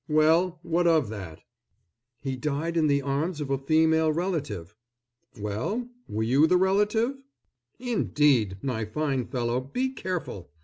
"Well, what of that?" "He died in the arms of a female relative." "Well, were you the relative?" "Indeed! my fine fellow, be careful!